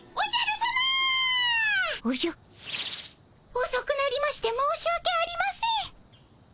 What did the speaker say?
おそくなりまして申しわけありません。